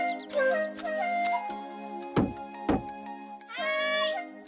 ・はい！